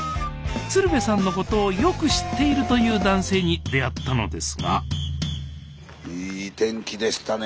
鶴瓶さんのことをよく知っているという男性に出会ったのですがスタジオいい天気でしたね。